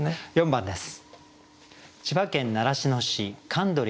４番です。